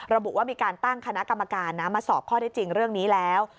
ระบุว่ามีการตั้งคณะกรรมการนะมาสอบข้อได้จริงเรื่องนี้แล้ว